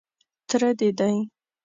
_تره دې دی.